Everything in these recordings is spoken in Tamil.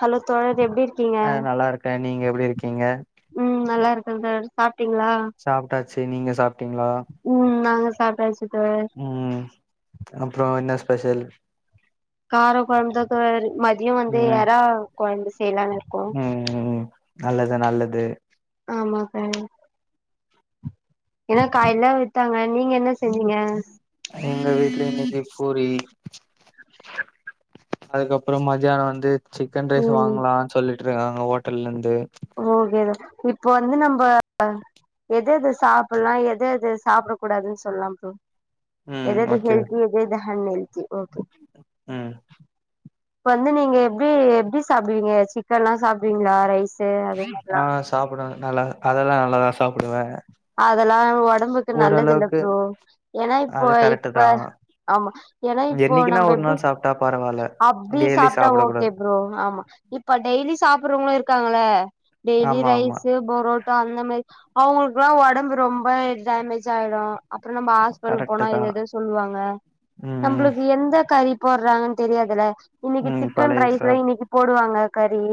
ஹலோ தோழர் எப்டி இருக்கீங்க அஹ் நல்லா இருக்கே நீங்க எப்டி இருக்கீங்க ம் நல்லா இருக்கே தோழர் சாப்டீங்களா சாப்டாச்சு நீங்க சாப்டீங்களா ம் நாங்க சாப்டாச்சு தோழர் ம் அப்பறோ என்ன ஸ்பெஷல் கார கொழம்புதா தோழர் மதிய வந்து ம் எறா கொழம்பு செய்லானு இருக்கோ ம் நல்லது நல்லது ஆமா சார் எனக்கா எல்லா வித்தாங்க நீங்க என்ன செஞ்சீங்க எங்க வீட்ல இனைக்கி பூரி அ அதுக்கப்பறம் மத்தியான வந்து சிக்கன் ரைஸ் ம் வாங்கலானு சொல்லிட்டு இருக்காங்க ஹோட்டல்லருந்து ஓகேதா இப்போ வந்து நம்ப எத எத சாப்பிலா எத எத சாப்பிட கூடாதுன்னு சொல்லலா ப்ரோ ம் எதது ஓகே ஹெல்தி எதது ஹன்ஹெல்தி ஓகே ம் இப்ப வந்து நீங்க எப்டி எப்டி சாப்டுவீங்க சிக்கன்ல்லா சாப்பிடுவீங்களா ரை ஆ சாப்டுவே நல்லா அதெல்லா நல்லாதா சாப்டுவே அதெல்லா ஒடம்புக்கு நல்லது இல்ல ஓரளவுக்கு ப்ரோ ஏனா இப்போ அது கரெக்ட் இப்ப தா ஆமா ஏனா இப்போ என்னைக்குன்னா நம்ம ஒரு எப்டி நாள் சாப்ட்டா பரவால்ல அப்டி டெய்லி சாப்டா சாப்டக் ஓகே கூடாது ப்ரோ ஆமா இப்ப டெய்லி சாப்பறவங்களு இருக்காங்கள டெய்லி ஆமா ஆமா ரைஸு பொரோட்டா அந்த மாதிரி அவுங்களுக்குல்லா ஒடம்பு ரொம்ப டேமேஜ் ஆயிடு அப்பற நம்ம ஹாஸ்பிடல் கரெக்ட் போனா தா எத எத சொல்லுவாங்க ம் நம்மளுக்கு எந்த கறி போடுறாங்கன்னு தெரியாதுல இன்னைக்கி ம் சிக்கன் பழைய ரைஸு சாப் இன்னைக்கி போடுவாங்க கறி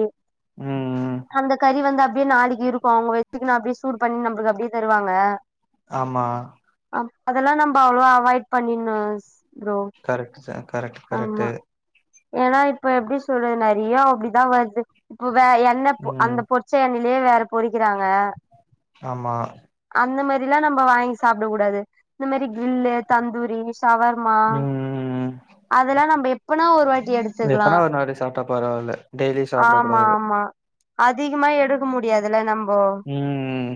ம் அந்த கறி வந்து அப்டியே நாளைக்கு இருக்கு அவுங்க வச்சுக்குனு அப்டியே சூடு பண்ணி நம்மளுக்கு அப் டி தருவாங்க ஆமா அப் அதெல்லா நம்ப அவாய் அவாய்ட் பண்னணு சிஸ் ப்ரோ கரெக்ட் ச கரெக்ட் கரெக்ட்டு ஆமா ஏன்னா இப்ப எப்டி சொல்றது நெறைய அப்டிதா வருது இப்ப வே என்ன ம் அந்த பொ பொறிச்ச எண்ணையிலயே வேற பொறிக்கிறாங்க ஆமா அந்த மாரிலா நம்ப வாங்கி சாப்பிடக்க கூடாது இந்த மாரி கிரில்லு தந்தூரி சவர்மா ம் அதெல்லா நம்ம எப்பனா ஒரு வாட்டி எடுத் எப்பனா ஒரு வாட்டி சாப்பா பரவாயில்ல டெய்லி சாப்பிடக் ஆமா கூடாது ஆமா அதிகமா எடுக்க முடியாதுல நம்போ ம் ம்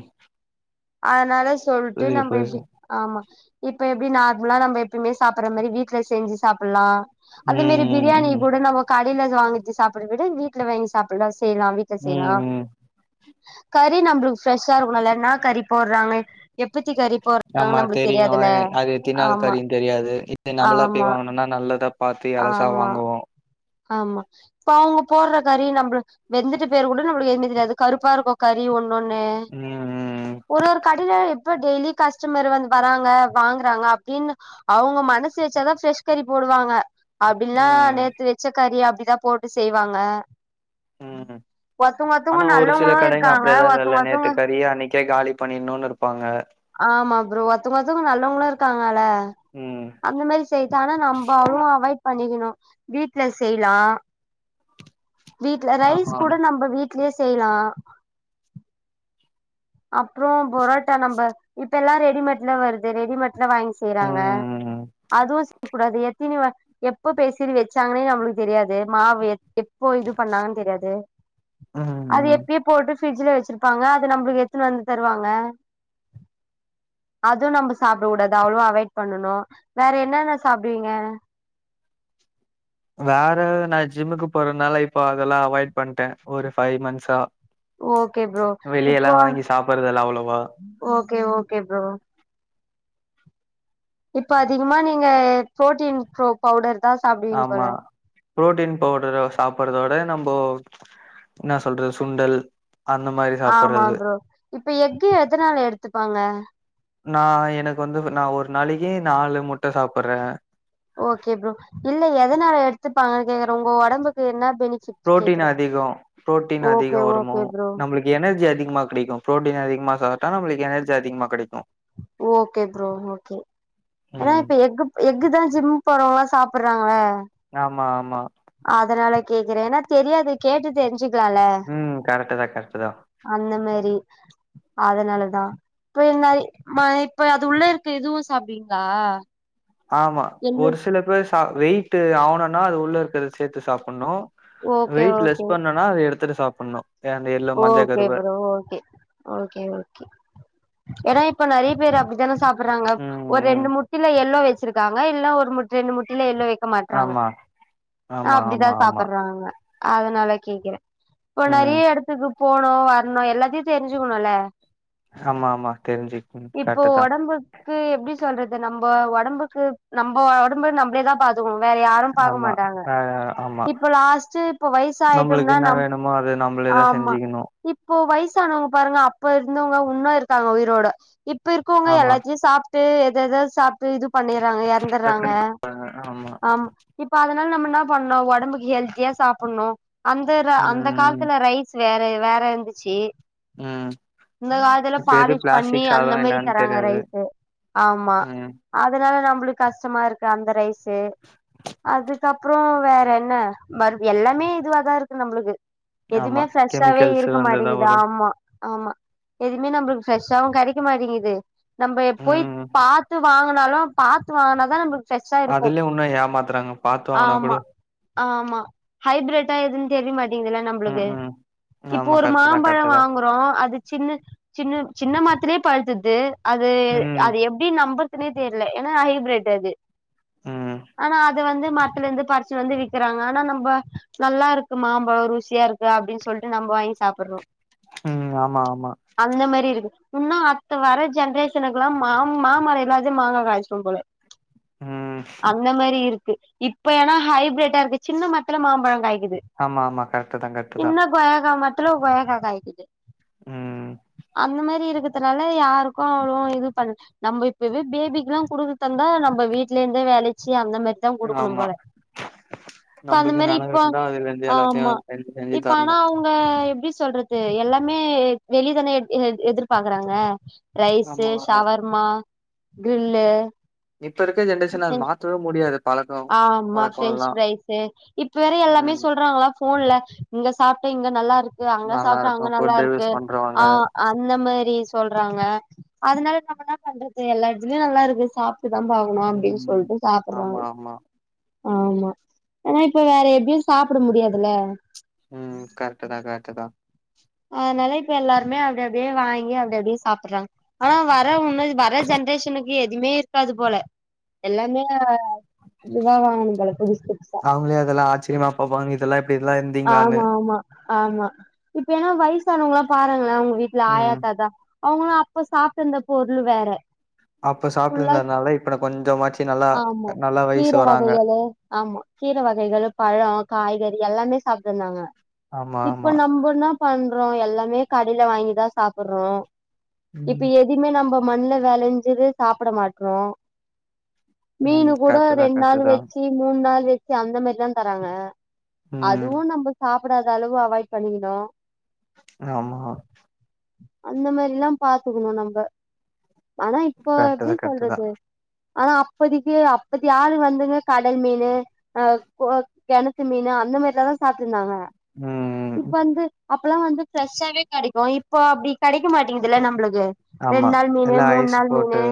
அதனால சொல்லிட்டு புரியுது நம்ப புரியுது எப்டி சார். ஆமா இப்ப எப்டி நார்மலா நம்ம எப்பயுமே சாப்ட்ற மாரி வீட்ல செஞ்சு சாப்ட்லா அதே மாரி ம் பிரியாணி ம் கூட நம்ம கடையில வாங்கிட்டு சாப்பிட்டு விட வீட்ல வாங்கி சாப்டலா செய்லா வீ செய்லா ம் ம் கறி நம்மளுக்கு ஃப்ரஷ்ஷா இருக்கனுல என்னா கறி போட்றாங்க எப்பத்தி கறி போட்றாங்க ஆமா நம்பளுக்கு தெரியு தெரியாதுல்ல அது எத்திநாள் ஆமா கறினு தெரியாது இது நம்மளா போய் ஆமா வாங்கனும்னா நல்லதா பாத்து எலசா ஆமா வாங்குவோ ஆமா இப்ப அவங்க போட்ற கறி நம்மள வெந்துட்டு பேர் கூட நம்மளுக்கு எதுமே தெரியாது கருப்பா இருக்கு கறி ஒண்ணொண்ணு ம் ஒரு ஒரு கடைல எப்ப டெய்லி கஸ்டமர் வந்து வராங்க வாங்குறாங்க அப்டின்னு அவங்க மனசு வெச்சாதா ஃப்ரஷ் கறி போடுவாங்க அப்டின்ல்லா ம் நேத்து வெச்ச கறி அப்டிதா போட்டு செய்வாங்க ம் ஒருத்தவங்க ஒருத்தவங்க ஆனா ஒரு சில நல்லவங்களு கடைங்க இருக்காங்க அப்டியெல்லா இல்லல ஒருத்தவங்க ஒருத்தவங்க நேற்று கறியே அன்னிக்கே காலி பண்ணிணுன்னு இருப்பாங்க ஆமா ப்ரோ ஒருத்தவங்கத்துங்க நல்லவங்களு இருக்காங்கல்ல ம் அந்த மாரி செய்யது ஆனா நம்ம அவ்ளு அவாய்ட் பண்ணிக்கணு வீட்ல செய்லா வீட்ல ஆமா ரைஸ் கூட ஆமா நம்ம வீட்லயே செய்லா அப்றோ பொரோட்டா நம்ம இப்ப எல்லா ரெடிமேட்ல வருது ரெடிமேட்ல வாங்கி செய்றாங்க ம் அதுவு செய்ய கூடாது எத்தனி எப்ப பேசிஞ்சு வெச்சாங்கன்னே நம்மளுக்கு தெரியாது மாவு எப்போ இது பண்ணாங்கன்னு தெரியாது ம் அது ம் எப்பயே போட்டு பிரிட்ஜ்ல வெச்சிருப்பாங்க அது நம்மளுக்கு எத்துன்னு வந்து தருவாங்க அது நம்ம சாப்பிட கூடாது அவ்ளு அவாய்ட் பண்ணணு வேற என்னென்ன சாப்டுவீங்க வேற நா ஜிம்முக்கு போறதுனால இப்போ அதெல்லா அவாய்ட் பண்ணட்டே ஒரு ஃபைவ் மந்த்ஸா ஓகே ப்ரோ வெளிய எல்லா இப்போ வாங்கி சாப்ட்டுறதில்ல அவ்ளவா ஓகே ஓகே ப்ரோ இப்ப அதிகமா நீங்க புரோட்டீன் ஃபுரோ பவுடர் தா சாப்டுவீங்க போல ஆமா. புரோட்டீன் பவுடர சாப்டறத விட நம்போ இன்னா சொல்றது சுண்டல் அந்த மாரி ஆமா சாப்பிடுறது. ப்ரோ இப்ப எக்கு எதனால எடுத்துப்பாங்க நா எனக்கு வந்து நா ஒரு நாளைக்கு நாலு முட்ட சாப்பிடுறே ஓகே ப்ரோ இல்ல எதனால எடுத்துப்பாங்கன்னு கேக்குறே உங்க ஒடம்புக்கு என்ன பெனிஃபிட் புரோட்டீன் அதிகோ புரோட்டீன் அதிக வருனு ஓகே ப்ரோ நம்மளுக்கு எனர்ஜி அதிகமா கெடைக்கு புரோட்டீன் அதிகமா சாப்ட நம்மளுக்கு எனர்ஜி அதிகமா கெடைக்கு ஓகே ப்ரோ ஓகே ஏன்னா ம். இப்ப எக்கு எக்குதா ஜிம் போறவங்களா சாப்டுறாங்கள ஆமா ஆமா அதனால கேக்குறே ஏன்னா தெரியாது கேட்டு தெரிஞ்சக்லால்ல ம். கரெக்ட்டு தான், கரெக்ட்டு தான். அந்த மாரி அதனாலதா இப்ப என்னாய் மா இப்ப அது உள்ள இருக்க இதுவு சாப்டுவீங்ளா ஆமா ஒரு சில பேர் சா வெயிட் ஆவனுன்னா அது உள்ள இருக்கறத சேத்து சாப்பணு ஓகே வெயிட் ஓகே லெஸ் பண்ணுனா அது எடுத்துட்டு சாப்பணு okay bro okay okay okay ஏனா இப்ப நெறைய பேர் அப்டித்தானே சாப் றாங்க ம், ஒரு ம். ரெண்டு முட்டில எல்லோ வச்சிருக்காங்க இல்ல ஒரு முட் ரெண்டு முட் டல எல்லோ வைக்க மாட்றாங்க ஆமா, நா ஆமா, அப்டிதா ஆமா, ஆமா. சாப்டுறாங்க அதனால கேக்கறே இப்ப ம். நெறைய இடத்துக்கு போணு வர்ணு எல்லாத்தையு தெரிஞ்சுக்கணுல ஆமா ஆமா தெரிஞ்சுக்னு கர்ட்டுதா க்கு எப்டி சொல்றது நம்ம உடம்புக்கு நம்ம உடம்பு நம்ளேதா பாத்துக்கோனு வேற யாரும் பாக்க ஆமா. மாட்டாங்க அ ஆமா. இப்ப லாஸ்டு இப்ப வயசு ஆயிட்டோம்னா நம் ம்மா அது நம்ளேதா ஆமா செஞ்சுக்கணு இப்போ வயசானவங்க பாருங்க அப்ப இருந்தவங்க உன்னு இருக்காங்க உயிரோட இப்ப இருக்கவங்க ஆமா. எல்லாத்தையு சாப்ட்டு எத எதயோ சாப்ட்டு இது பண்ணிறாங்க இறந்தறாங்க ஆஹ ஆமா ஆமா இப்ப அதனால நம்ம என்ன பண்ணோ உடம்புக்கு ஹெல்த்தியா சாப்புன்னு அந்த ர அந்த ம், காலத்துல ரைஸ் வேற வேற இருந்துச்சு ம். இந்த காலத்துல இப்ப எது பாலிஷ் பண்ணி பிளாஸ்டிக் அந்த சாதம் மாரி என்னான்னு தராங்க தெரியாது. ரைஸ்சு ஆமா ம். அதனால நம்ளுக்கு கஷ்டமா இருக்கு அந்த ரைஸ்சு அதுக்கப்றோ வேற என்ன மரு எல்லாமே இதுவாதா இருக்கு நம்ளுக்கு ஆமா ஷாவே கெமிக்கல்ஸ் இருக்க வந்து தான் மாட்டேங்குது வரும். ஆமா ஆமா எதுவுமே நம்ளுக்கு ஃப்ரெஷ்ஷாவு கிடைக்க மாட்டேங்குது நம்ம எப் போய் ம். பாத்து வாங்குனாலு பாத்து வாங்னாதா நம்ளுக் அதுலே உன்னு ஏமாத்துறாங்க பாத்து வாங்கன்னா கூட ஆமா ஆமா ஹைப்ரேட்டா எதுன்னு தெரியமாட்டேங்குதுல ம் ம் இப்போ ஆமா. ஒரு கரெக்ட்டு தான், கரெக்ட்டு மாம்பழம் தான். வாங் அப்பறோ அது சின்ன சின்ன சின்ன மரத்திலே பழுத்துது அது ம், அது எப்டி நம்பர் த்னே தெர்ல ஏனா ஹைப்ரேட் அது ம் ஆனா அத வந்து மரத்துல இருந்து பறிச்சு வந்து விக்றாங்க ஆனா நம்ப நல்லா இருக்கு மாம்பழோ ருசியா இருக்கு அப்டின்னு சொல் சொல்ட்டு நம்ம வாங்கி சாப்டுறோ ம் ஆமா ஆமா அந்த மாரி இருக்கு உன்னு அத்து வர ஜென்ரேஷனுக்கெலா மா மாமர இல்லாதே மாங்கா காய்ச்சிரு போல ம் அந்த மாரி இருக்கு இப்ப ஏனா ஹைப்ரேட்டா இருக்கு சின்ன மரத்ல மாம்பழம் காய்குது ஆமா ஆமா கரெக்ட்டு தா கரெக்ட்டு தா கொயாக்கா மரத்ல கொயாக்கா காய்க்கிது ம் அந்த மாரி இருக்கத்துனால யாருக்கு அவ்ளோ இது பண்ல நம்ம இப்பவே பேபிக்குல்லா குடுத்து தந்தா நம்ம வீட்ல இருந்தே வேலச்சி அந்த மாரி அதா குடுக்கணு ஆமா. போல இப்ப அந்த நம்மளுக்கு மேரி நெலம் இப்ப இருந்தா அதுலேருந்து ஆமா எல்லாத்தையும் செஞ்சு, செஞ்சு இப்ப ஆனா தரணும். அவங்க எப்டி சொல்றது எல்லாமே வெளியதான ஏ ஏ எதிர்பாக்குறாங்க ரைஸு ஆமா, ஆமா. ஷவர்மா கிரில்லு இப்ப இருக்க ஜென்ரேஷன் அத மாத்தவே முடியாது பழக்கம் ஆ ஆமா பிரெஞ் வழக்கம்லாம். ஃப்ரைஸ்சு இப்ப வேற எல்லாமே ம். சொல்றாங்களா ஃபோன்ல இங்க சாப்ட்டே இங்க நல்லா இருக்கு அங்க சாப்ட்டே அங்க நல்லாருக்கும். நல்லா ஃபுட் இருக்கு ரிவ்யூஸ் பண்றவங்க. ஆ அந்த மாரி சொல்றாங்க அதனால நம்ம என்ன பண்றது எல்லா இடத்துலயு நல்லா இருக்கு சாப்ட்டுதா பாக்கணு அப்டின்னு ம். சொல்ட்டு ஆமா, சாப்ட்றாங்க ஆமா. ஆமா ஏன்னா இப்ப வேற எப்பயு சாப்ட முடியாதுல்ல ம் கரெக்ட்தா கரெக்ட்தா அதனால இப்ப எல்லாருமே அப்டி அப்டியே வாங்கி அப்டி அப்டியே சாப்ட்றாங்க ஆனா வர்ற உன்னு வர ஜென்ரேஷனுக்கு எதுவுமே இருக்காது போல எல்லாமே இப்டிதா வாங்கனு போல புதுசு புதுசா அவங்களே அதெல்லா ஆச்சரியமா பாப்பாங்க இதெல்லா ஆமா ஆமா ஆமா இப்ப வயசானவங்கலா பாருங்களே அவங்க விட் ல ஆயா ம். தாத்தா அவங்களா அப்ப சாப்ட்டு இருந்த பொருள் வேற அப்ப சாப்ட்டு ஃபுல்லா இருந்ததுனால இப்ப என்ன கொஞ்சமாச்சி நல்லா ஆமா நல்லா கீர வயசு வர்றாங்க வகைகளு ஆமா கீர வகைகள் பழோ காய்கறி எல்லாமே சாப்ட்டு இருந்தாங்க ஆமா இப்ப ஆமா நம்ம என்ன பண்றோ எல்லாமே கடைல வாங்கிதா சாப்புடுறோ இப்ப ம் எதுவுமே நம்ம மண்ல வெளைஞ்சதே சாப்ட மாட்றோ ம் மீன் கூட கரெக்ட்டு தா ரெண்டு கரெக்ட்டு நாள் தா வச்சு மூணு நாள் வச்சு அந்த மாரிதா தர்றாங்க ம் அதுவு நம்ம சாப்டாத அளவு அவாய்ட் பண்ணிக்கணு ஆமா அந்த மாரில்லா பாத்துக்கணு நம்ம ஆனா இப்ப கரெக்ட்டு தா எப்டி கரெக்ட்டு தா சொல்றது ஆனா அப்பதைக்கி அப்பத்த யாரு வந்துங்க கடல் மீனு ஆ கோ கெணத்து மீனு அந்த மாரில்லாதா சாப்ட்டு இருந்தாங்க ம் இப்ப வந்து அப் அப்பெல்லா வந்து ஃப்ரெஷ்ஷாவே கெடைக்கு இப்போ அப்டி கெடைக்க மாட்டேங்குதுல்ல நம்மளுக்கு ஆமா ரெண்ட் நாள் மீனு எல்லா மூணு ஐஸ் நாள் போட்டு மீனு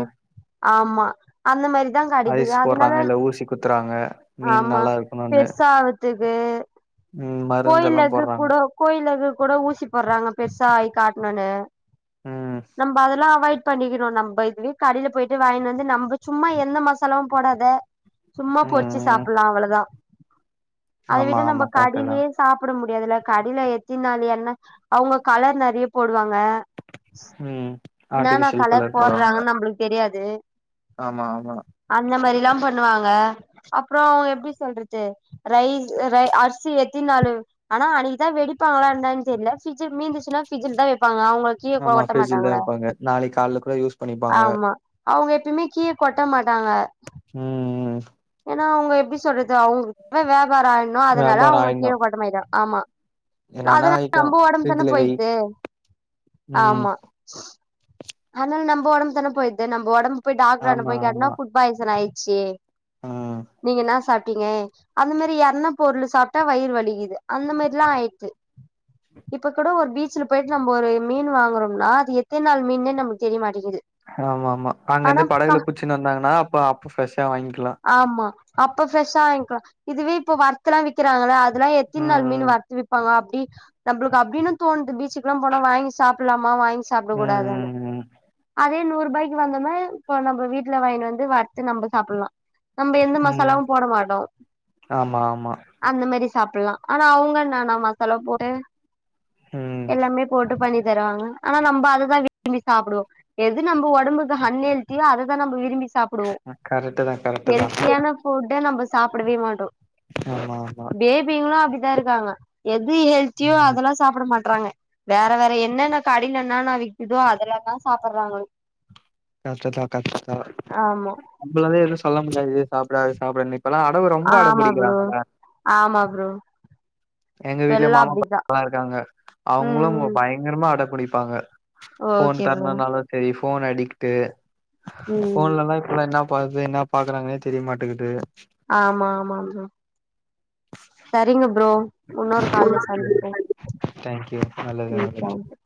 ஆமா அந்த மாரிதா கெடைக்குது ஐஸ் அதனால போட்றாங்க இல்ல ஊசி குத்துறாங்க மீன் ஆமா நல்லா இருக்கணுன்னு பெருசா த்துக்கு ம் கோயில்ல மருந்தெல்லா இருக்கு போட்றாங்க கூடோ கோழிகளுக்குக் கூட ஊசி போட்றாங்க பெருசாகி காட்டணுன்னு ம் நம்ம அதெல்லா அவாய்ட் பண்ணிக்கிறோ நம்ப இதுவே கடையில போயிட்டு வாங்கினு வந்து நம்ம சும்மா எந்த மசாலாவு போடாத சும்மா பொறிச்சு ம் சாப்டலா அவ்ளதா ஆமா ஆமா கரெக்ட்டுதா சாப்ட முடியாதுலக்கா அடில எத்தின நாளு எண்ணெ அவங்க கலர் நெறய போடுவாங்க ம் என்ன என்ன ஆர்டிஃபிஷியல் கலர் போடுவாங்க போடுறாங்கன்னு நம்மளுக்கு தெரியாது ஆமா ஆமா அந்த மாரில்லா பண்ணுவாங்க அப்றோ எப்டி சொல்றது ரைஸ் ரை அரி சி எத்திநாளு ஆனா அன்னெக்குதா வெடிப்பாங்களா என்னனு தெரியல மீந்துச்சுன்னா பிர்ஜல தா வைப்பாங்க அவங்களுக்கு ஆமா பிரிட்ஜ்லதா வைப்பாங்க நாளைக்கி கால்ல கூட யூஸ் பண்ணிப்பாங்க ஆமா அவங்க எப்பயுமே கீய்ய கொட்ட மாட்டாங்க ம் ம் ஏன்னா அவங்க எப்டி சொல்றது அவங்க இப்ப வியாபாரோ ஆயிட்னு அத லா வியாபாரோ அவுங்க ஆயிட்னு கீழ கொட்ட மாட்டா ஆமா என்னன்னா அதுனால ஐட்டோ நம்ப ஒடம் தானே ஃப்ரிட்ஜ்ல வை போயிட்து ம் அத்னால் நம்ப ஒடம் தான போயிட்து நம்ப ஒடம்பு போய் டாக்டர்ராண்ட ஆமா போய் கேட்னா ஆமா ஃபுட் பாய்சன் ஆய்ர்ச்சி ம் நீங்க என்னா சாப்ட்டீங்கே அந்த மேரி எண்ண பொருளு சாப்ட்டா வயிற் வலிக்குது அந்த மேர்ல்லா ஆய்ர்து இப்ப கூட ஒரு பீச்ல போய்ட் நம்போ ஒரு மீன் வாங்குறம்னா அது எத்தின் நாள் மீனுன் நம்மள்க் தெரியமாட்டிகிது ஆமாமா அங்கிர்ந்து படகுல புட்ச்சுனு வந்தாங்கனா அப்ப அப்ப ஃப்ரெஷ்ஷா வாங்கிக்கலா ஆமா அப்ப ஃப்ரெஷ்ஷா வாங்க்கிலா இதுவே இப்ப வற்த்துல்லா விக்கிறாங்கல்ல அதெல்லா எத்தின் நாள் மீனு ம் ம் வற்த்து விப்பாங்க அப்டி நம்ப்ளுக்கு அப்டின்னு தோண்து பீச்சுக்லா போனா வாங்கி சாப்பிட்லாமா வாங் சாப்டக் ம் கூடாதான்னு ம் அதே நூர் ரூபாய்க்கி வாங்னோமா இப்ப நம்ப வீட்ல வாய்ங்ன் வந்து வற்த்து நம்ப சாப்பிட்லா நம்ப எந்த ம் ம் மசாலாவு போட மாட்டோ ஆமா ஆமா அந்த மேரி சாப்பிட்லா ஆனா அவுங்க என்னன்னா மசாலா போட்டு ம் எல்லாமே போட்டு பண்ணி தருவாங்க ஆனா நம்ப அது தா விரும்பி சாப்டுவோ எது நம்ப ஒடம்புக்கு ஹண் எல்த்தியோ அது தா நம்ப விரும்பி சாப் டுவோ கரெக்ட்டு தா கரெக்ட் தா எல்த்தியான ஃபுட்ட நம்ப சாப்படவே மாட்டோ ஆமா ஆமா பேபீங்களு அப்டிதா இருக்காங்க எது ஹெல்த்தியோ அதெல்லா சாப்பட மாட் றாங்க வேற வேற என்னென்ன கடைல என்னான்னா விக்குதோ அதெல்லாந்தா சாப்பட்றாங்க கஷ்டந்தா கஷ்டந்தா ஆமா நம்பளால எது சொல்ல முடியாது இது சாப்டு அது சாப்டுன்னு இப்பல்லா அடவு ரொம்ப அடம் ஆமா ப்ரோ பிடிக்கிறாங்கல்ல ஆமா ப்ரோ எங்க இப்ப வீட்லயு எல்லா மாமா [inaudible] அப்டிதா ங்கல்லா இருக்கறாங்க ம் அவுங்களு அவுங்க ம் பய ங்கரமா அட பிடிப்பாங்க ஃபோன் ஓகே ப்ரோ தர்ணுனாலு செரி ஃபோன் அடிக்ட்டு ம் ஃபோன்லல்லா இப்பல்லா என்னா பாக்து என்னா பாக்கறாங்னே தெரிய மாட்டகிது ஆமா ஆமா ஆமா சரிங்க ப்ரோ உன்னோரு கால்ல சந்திப்போ தேங்க்யூ நல்லது ம் நல்லது தேங்க் யூ